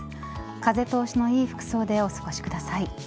風通しのいい服装でお過ごしください。